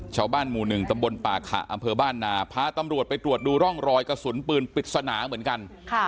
ชาวบ้านหมู่๑ตำบลป่าขะอำเภอบ้านนาพาตำรวจไปตรวจดูร่องรอยกระสุนปืนปริศนาเหมือนกัน